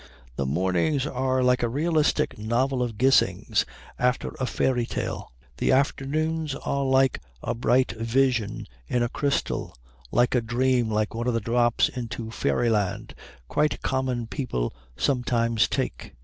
The mornings are like a realistic novel of Gissing's after a fairy tale. The afternoons are like a bright vision in a crystal, like a dream, like one of the drops into fairyland quite common people sometimes take.